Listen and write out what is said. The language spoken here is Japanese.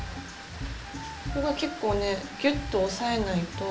ここが結構ねギュッと押さえないと。